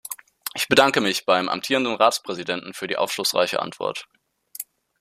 Ich bedanke mich beim amtierenden Ratspräsidenten für die aufschlussreiche Antwort.